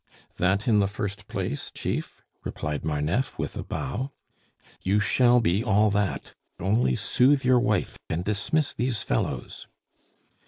"That in the first place, Chief!" replied Marneffe, with a bow. "You shall be all that, only soothe your wife and dismiss these fellows."